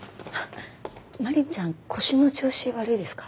マリンちゃん腰の調子悪いですか？